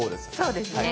そうですね。